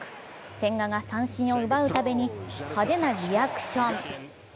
千賀が三振を奪うたびに派手なリアクション。